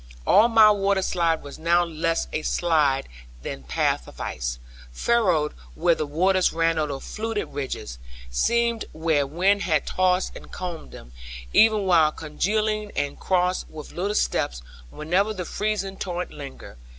All my water slide was now less a slide than path of ice; furrowed where the waters ran over fluted ridges; seamed where wind had tossed and combed them, even while congealing; and crossed with little steps wherever the freezing torrent lingered.